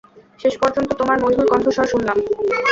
শেষ পর্যন্ত তোমার মধুর কন্ঠস্বর শুনলাম।